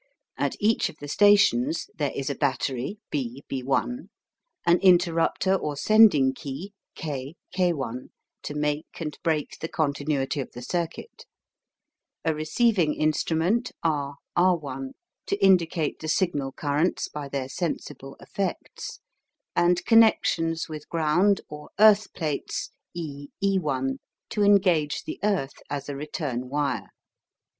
At each of the stations there is a battery B B', an interruptor or sending key K K'to make and break the continuity of the circuit, a receiving instrument R R'to indicate the signal currents by their sensible effects, and connections with ground or "earth plates" E E' to engage the earth as a return wire.